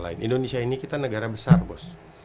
lain indonesia ini kita negara besar bos